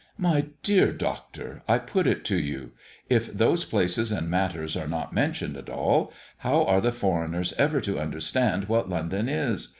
My dear Doctor, I put it to you; if those places and matters are not mentioned at all, how are the foreigners ever to understand what London is?